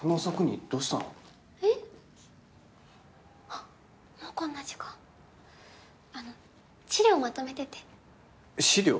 あっもうこんな時間あの資料まとめてて資料？